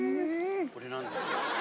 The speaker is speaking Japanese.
これなんですよね。